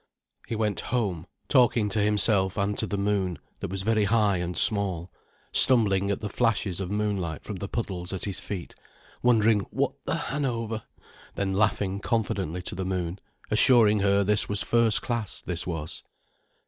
He went home talking to himself and to the moon, that was very high and small, stumbling at the flashes of moonlight from the puddles at his feet, wondering What the Hanover! then laughing confidently to the moon, assuring her this was first class, this was.